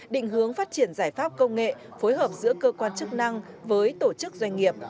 định hướng phát triển giải pháp công nghệ phối hợp giữa cơ quan chức năng với tổ chức doanh nghiệp